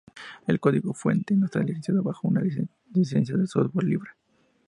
El código fuente no está licenciado bajo una licencia de software libre.